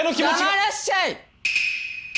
黙らっしゃい！